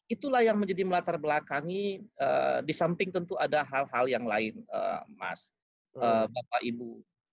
itulah yang menjadi melatar belakangi di samping tentu ada hal hal yang lain mas bapak ibu